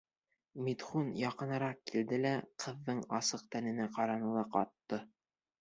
Митхун яҡыныраҡ килде лә ҡыҙҙың асыҡ тәненә ҡараны ла ҡатты.